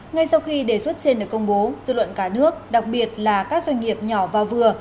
ngay sau khi đề xuất trên được công bố dư luận cả nước đặc biệt là các doanh nghiệp nhỏ và vừa